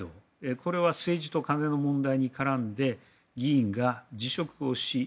これは政治と金の問題に絡んで議員が辞職をし